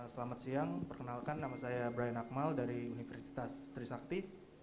selamat siang perkenalkan nama saya brian akmal dari universitas trisakti